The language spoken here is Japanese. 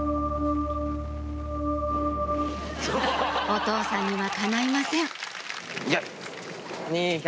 お父さんにはかないません